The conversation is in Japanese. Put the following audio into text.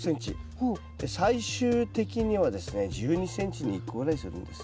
最終的にはですね１２ｃｍに１個ぐらいにするんです。